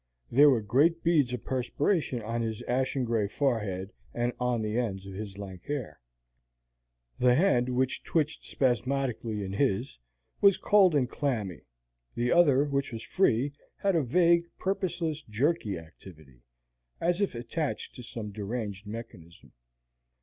There were great beads of perspiration on his ashen gray forehead and on the ends of his lank hair; the hand which twitched spasmodically in his was cold and clammy, the other, which was free, had a vague, purposeless, jerky activity, as if attached to some deranged mechanism.